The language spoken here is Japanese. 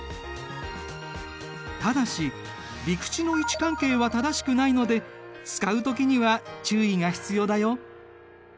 ただし陸地の位置関係は正しくないので使う時には注意が必要だよ。